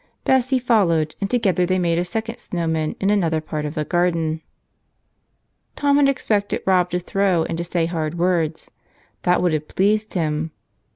Bessie followed, and together they made a second snow man in another part of the garden. Tom had expected Rob to throw and to say hard words. That would have pleased him.